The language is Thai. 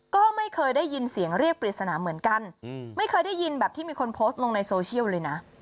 ก็ไม่เคยได้ยินเสียงเรียกปริศนาเหมือนกันไม่เคยได้ยินแบบที่มีคนโพสต์ลงในโซเชียลเลยนะ